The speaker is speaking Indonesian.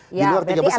di luar tiga besar ya